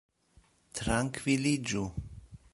trankviliĝu